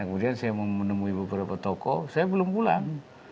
kemudian saya menemui beberapa tokoh saya belum pulang